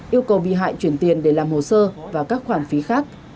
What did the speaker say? yêu cầu bị hại chuyển tiền để làm hồ sơ và các khoản phí khác